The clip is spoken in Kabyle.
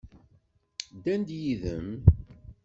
Ddan-d yid-m?